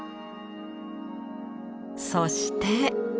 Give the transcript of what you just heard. そして。